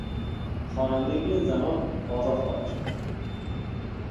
خوانندگی زنان آزاد خواهد شد